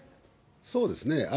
そうですね。